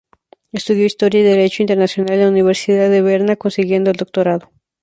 Estudió historia y derecho internacional en la Universidad de Berna, consiguiendo el doctorado.